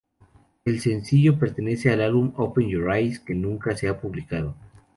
El sencillo pertenece al álbum "Open Your Eyes", que nunca se ha publicado.